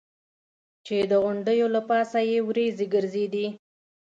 چې د غونډیو له پاسه یې ورېځې ګرځېدې.